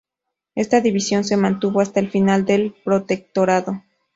Esta división se mantuvo hasta el final del Protectorado.